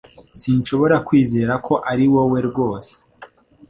Sinshobora kwizera ko ariwowe rwose